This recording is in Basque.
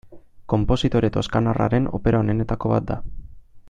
Konpositore toskanarraren opera onenetako bat da.